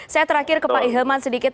saya terakhir ke pak hilman sedikit